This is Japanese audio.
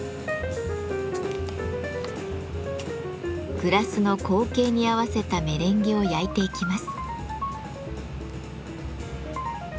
グラスの口径に合わせたメレンゲを焼いていきます。